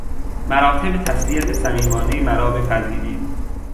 مراتب تسلیت صمیمانهی مرا بپذیرید.